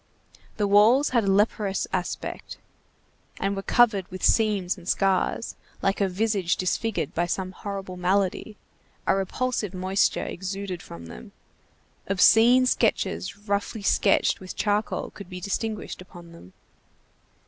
The walls had a leprous aspect, and were covered with seams and scars, like a visage disfigured by some horrible malady; a repulsive moisture exuded from them. Obscene sketches roughly sketched with charcoal could be distinguished upon them.